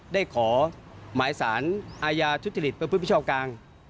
ได้ขอหมายศาลอายาชุดจริตเป็นผู้พิชาวกลาง